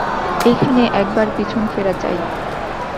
এইখানে একবার পিছন ফেরা চাই।